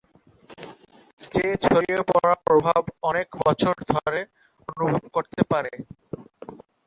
যে ছড়িয়ে পড়া প্রভাব অনেক বছর ধরে অনুভব করতে পারে।